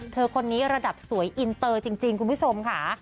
คนนี้ระดับสวยอินเตอร์จริงคุณผู้ชมค่ะ